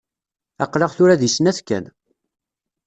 Aql-aɣ tura di snat kan.